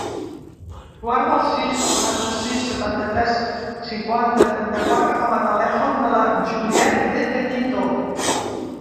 Guarda el sis, quaranta-sis, setanta-tres, cinquanta, trenta-quatre com a telèfon de la Juliette De Benito.